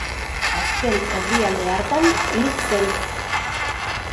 Azken herrialde hartan hil zen.